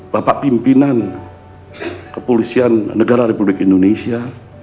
bapak pimpinan kepolisian negara republik indonesia